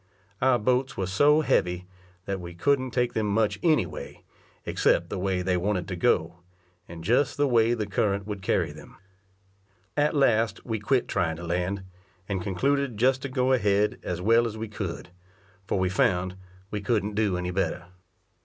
Our boats were so heavy that we couldn't take them much any way, except the way they wanted to go, and just the way the current would carry them. At last we quit trying to land, and concluded just to go ahead as well as we could, for we found we couldn't do any better.